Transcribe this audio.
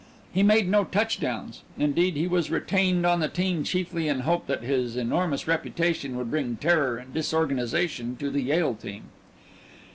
He made no touchdowns indeed, he was retained on the team chiefly in hope that his enormous reputation would bring terror and disorganisation to the Yale team.